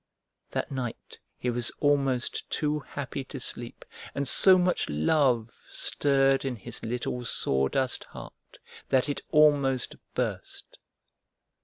That night he was almost too happy to sleep, and so much love stirred in his little sawdust heart that it almost burst.